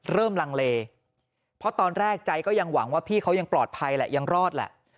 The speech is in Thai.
ลังเลเพราะตอนแรกใจก็ยังหวังว่าพี่เขายังปลอดภัยแหละยังรอดแหละ